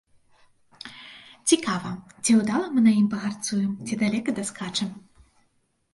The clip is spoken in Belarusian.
Цікава, ці ўдала мы на ім пагарцуем, ці далёка даскачам?